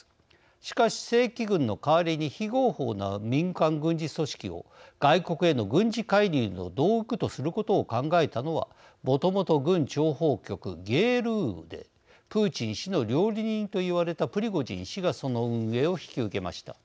しかし正規軍の代わりに非合法な民間軍事組織を外国への軍事介入の道具とすることを考えたのはもともと軍諜報局＝ＧＲＵゲーエルウーでプーチン氏の料理人と言われたプリゴジン氏がその運営を引き受けました。